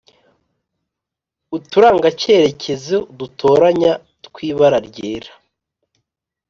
Uturangacyerekezo dutoranya tw'ibara ryera